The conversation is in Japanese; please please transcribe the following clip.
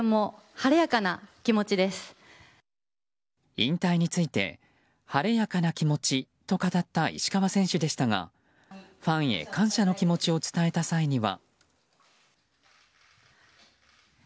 引退について晴れやかな気持ちと語った石川選手でしたがファンへ感謝の気持ちを伝えた際には。